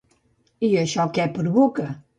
I això què provoca?